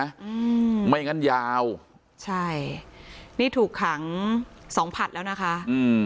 อืมไม่งั้นยาวใช่นี่ถูกขังสองผัดแล้วนะคะอืม